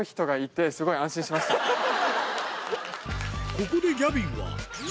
ここでギャビンは何？